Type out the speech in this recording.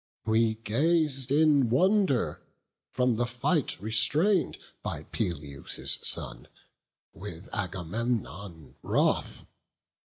We gaz'd in wonder; from the fight restrain'd By Peleus' son, with Agamemnon wroth.